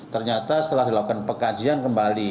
ternyata setelah dilakukan pengkajian kembali